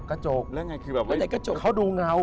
กระจกแล้วไงคือแบบว่า